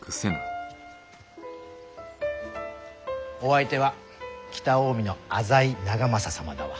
お相手は北近江の浅井長政様だわ。